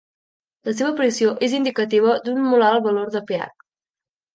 La seva aparició és indicativa d'un molt alt valor del pH.